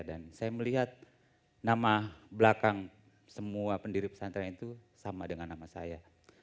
dan saya melihat nama belakang semua pendiri pesantren itu sama dengan nama saya